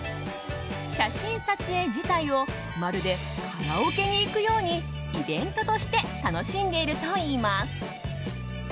写真撮影自体をまるでカラオケに行くようにイベントとして楽しんでいるといいます。